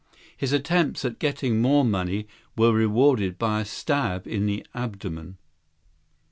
His attempts at getting more money were rewarded by a stab in the abdomen."